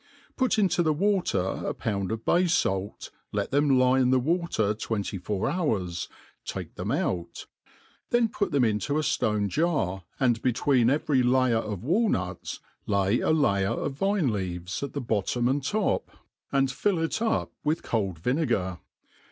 Put into the water a pound of bay fair, let them lie in the water twenty four Jioar?^ take them out ;' then put them into a flone jar, and be tween every layer of walnuts lay a layer of vine leaves at the bottom and top, and fill it up with cold vinegar.